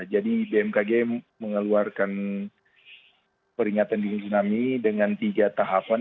jadi bmkg mengeluarkan peringatan dini tsunami dengan tiga tahapan